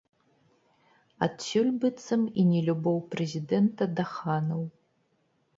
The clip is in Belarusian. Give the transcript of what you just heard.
Адсюль, быццам, і нелюбоў прэзідэнта да ханаў.